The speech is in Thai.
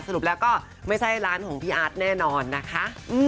สรุปแล้วก็ไม่ใช่ร้านของพี่อาร์ตแน่นอนนะคะ